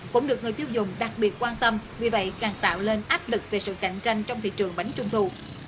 cũng được người tiêu dùng đặc biệt quan tâm vì vậy càng tạo nên áp lực về sự cạnh tranh trong thị trường bánh trung thu